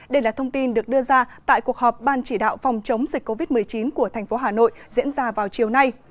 đây là thông tin được đưa ra tại cuộc họp ban chỉ đạo phòng chống dịch covid một mươi chín của thành phố hà nội diễn ra vào chiều nay